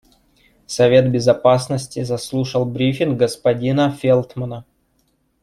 Совет Безопасности заслушал брифинг господина Фелтмана.